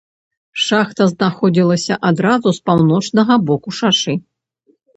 Шахта знаходзілася адразу з паўночнага боку шашы.